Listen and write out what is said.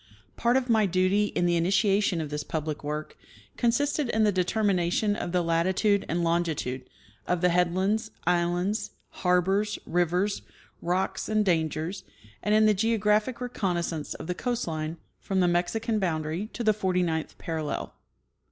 Part of my duty, in the' initiation of this public work, consisted in the determination of the latitude and longitude of the head lands, islands, harbors, rivers, rocks and dangers, and in the geographic reconnaissance of the coast line from the Mexican boundary to the forty ninth parallel.